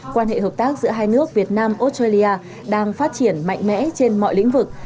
quan hệ hợp tác giữa hai nước việt nam australia đang phát triển mạnh mẽ trên mọi lĩnh vực